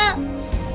tante aku mau